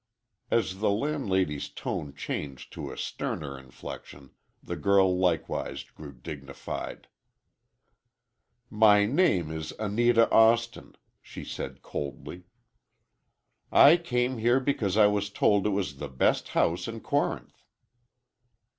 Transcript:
As the landlady's tone changed to a sterner inflection, the girl likewise grew dignified. "My name is Anita Austin," she said, coldly. "I came here because I was told it was the best house in Corinth."